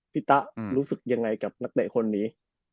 พี่ต๊ะรู้สึกยังไงกับนักเด็กคนนี้